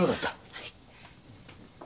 はい。